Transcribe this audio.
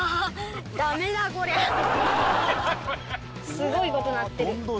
すごい事になってる。